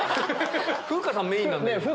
風花さんメインなんだけど。